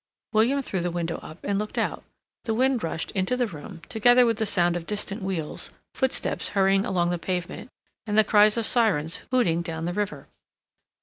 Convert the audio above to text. William threw the window up and looked out. The wind rushed into the room, together with the sound of distant wheels, footsteps hurrying along the pavement, and the cries of sirens hooting down the river.